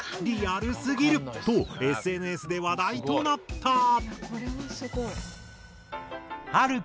「リアルすぎる！」とＳＮＳで話題となった。